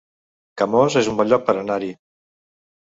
Camós es un bon lloc per anar-hi